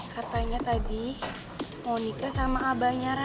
katanya tadi mau nikah sama abangnya raya